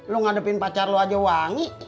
lu ngadepin pacar lu aja wangi